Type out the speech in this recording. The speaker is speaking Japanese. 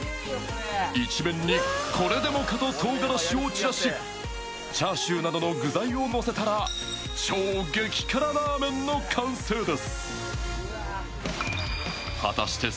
一面にこれでもかととうがらしを散らし、チャーシューなどの具材をのせたら超激辛ラーメンの完成です。